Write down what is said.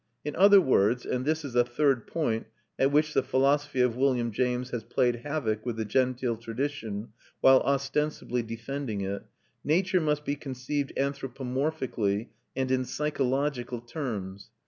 In other words and this is a third point at which the philosophy of William James has played havoc with the genteel tradition, while ostensibly defending it nature must be conceived anthropomorphically and in psychological terms.